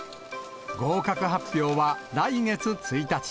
合格発表は来月１日。